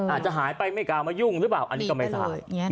อาจจะหายไปไม่กล้ามายุ่งหรือเปล่าอันนี้ก็ไม่ทราบ